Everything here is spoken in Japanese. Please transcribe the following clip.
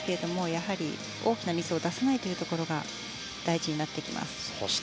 やはり大きなミスを出さないところが大事になってきます。